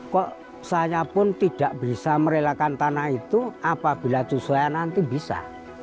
kok saya pun tidak bisa merelakan tanah itu apabila cusha nanti bisa